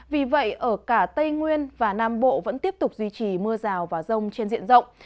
vì vậy ở cả tây nguyên và nam bộ vẫn tiếp tục duy trì mưa rào và rông trên diện rộng